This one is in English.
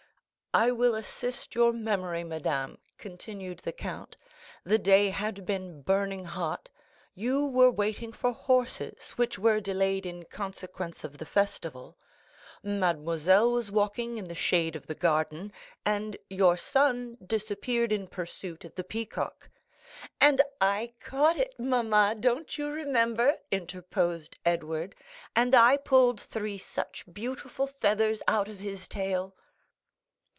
"I will assist your memory, madame," continued the count; "the day had been burning hot; you were waiting for horses, which were delayed in consequence of the festival. Mademoiselle was walking in the shade of the garden, and your son disappeared in pursuit of the peacock." "And I caught it, mamma, don't you remember?" interposed Edward, "and I pulled three such beautiful feathers out of his tail."